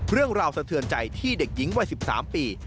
เรื่องราวสะเทือนใจที่เด็กหญิงวัย๑๓ปี